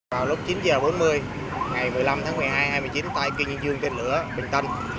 vào lúc chín h bốn mươi ngày một mươi năm tháng một mươi hai hai mươi chín tại kỳ nhiên dương tên lửa bình tân